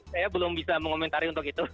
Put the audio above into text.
saya belum bisa mengomentari untuk itu